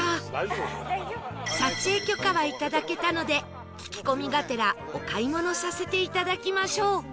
撮影許可はいただけたので聞き込みがてらお買い物させていただきましょう